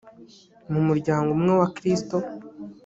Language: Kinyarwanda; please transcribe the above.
mu muryango umwe wa kristo